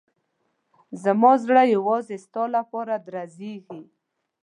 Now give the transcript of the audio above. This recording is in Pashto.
زما زړه یوازې ستا لپاره درزېږي.